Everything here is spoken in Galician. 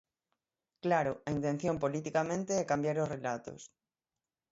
Claro, a intención politicamente é cambiar os relatos.